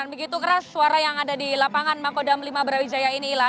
dan begitu keras suara yang ada di lapangan mangkodam lima brawijaya ini ila